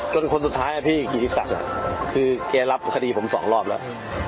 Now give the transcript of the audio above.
คนสุดท้ายพี่กิติศักดิ์คือแกรับคดีผมสองรอบแล้ว